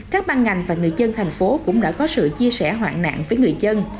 các ban ngành và người dân thành phố cũng đã có sự chia sẻ hoạn nạn với người dân